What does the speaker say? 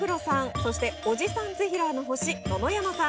そしておじさんぜひらーの星野々山さん。